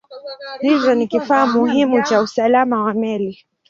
Hivyo ni kifaa muhimu cha usalama wa meli.